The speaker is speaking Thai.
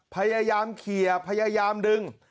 พยายามเขียพยายามดึง